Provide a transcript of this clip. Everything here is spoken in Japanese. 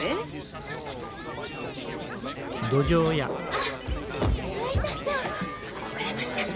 あっすいません遅れました。